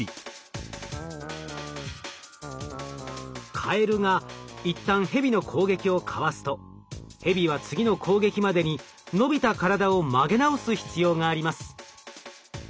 カエルが一旦ヘビの攻撃をかわすとヘビは次の攻撃までに伸びた体を曲げ直す必要があります。